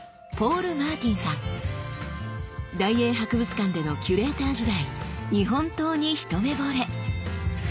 大英博物館でのキュレーター時代日本刀にひとめぼれ。